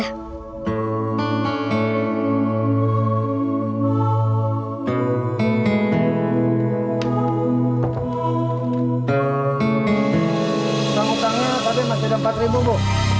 tanggung tangan tapi masih ada empat ribu bu